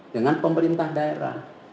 dengan pemerintah daerah